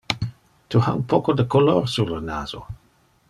Tu ha un poco de color sur le naso.